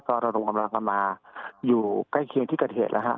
ก็รับกำลังมาอยู่ใกล้เคียงที่กัดเหตุนะฮะ